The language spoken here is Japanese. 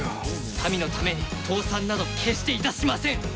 民のために倒産など決していたしません。